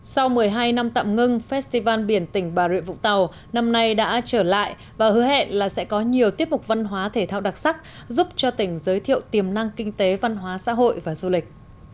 sau một mươi hai năm tạm ngưng festival biển tỉnh bà rịa vũng tàu năm nay đã trở lại và hứa hẹn là sẽ có nhiều tiết mục văn hóa thể thao đặc sắc giúp cho tỉnh giới thiệu tiềm năng kinh tế văn hóa xã hội và du lịch